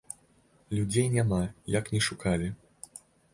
Людзей няма, як ні шукалі.